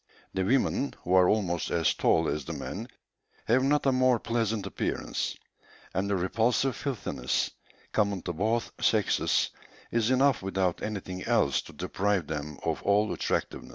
The women, who are almost as tall as the men, have not a more pleasant appearance; and the repulsive filthiness, common to both sexes, is enough without anything else to deprive them of all attractiveness."